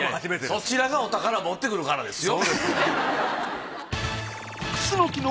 そちらがお宝持ってくるからですよ。